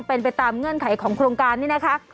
เป็นไปตามเงื่อนไขของโครงการนี่นะคะ